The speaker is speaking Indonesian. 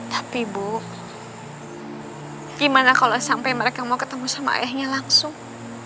tapi bu gimana kalau sampai mereka mau ketemu sama ayahnya langsung